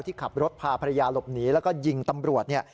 ที่ขับรถพาภรรยาหลบหนีแล้วก็ยิงตำรวจเนี่ย